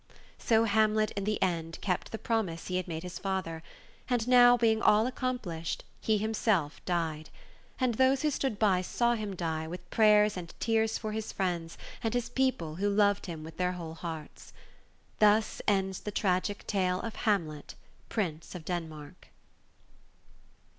So Hamlet in the end kept the promise he had made his father. And all being now accomplished, he himself died. And those who stood by saw him die, with prayers and tears for his friends, and his people who loved him* with their whole hearts. Thus ends the tragic tale of Hamlet, Prince of Denmark.